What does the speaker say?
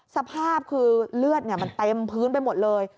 สภาพคือเลือดมันเต็มพื้นไปหมดเลย